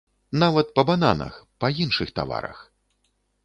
Нават па бананах, па іншых таварах.